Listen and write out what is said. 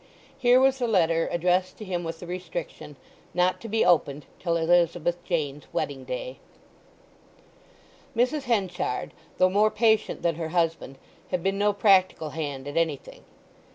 Here was the letter addressed to him with the restriction, "Not to be opened till Elizabeth Jane's wedding day." Mrs. Henchard, though more patient than her husband, had been no practical hand at anything.